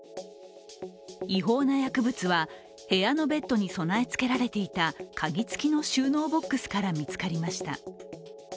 違法な薬物は部屋のベッドに備えつけられていた鍵付きの収納ボックスから見つかりました。